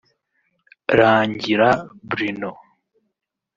Rangira Bruno